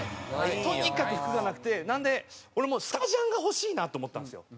とにかく服がなくてなので俺もうスタジャンが欲しいなって思ったんですよ。